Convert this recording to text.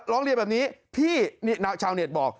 ร้องเรียนแบบนี้พี่ชาวเน็ตบอก